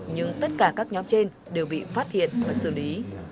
nhưng tất cả các nhóm trên đều bị phát hiện và xử lý